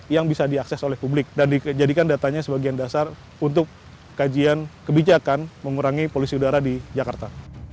yang bisa diakses oleh publik dan dijadikan datanya sebagian besar untuk kajian kebijakan mengurangi polusi udara di jakarta